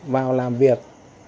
vào làm việc